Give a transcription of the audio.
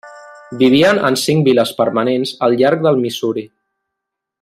Vivien en cinc viles permanents al llarg del Missouri.